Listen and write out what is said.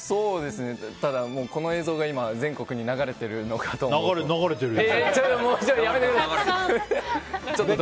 ただ、この映像が全国に流れてるのかと思うと。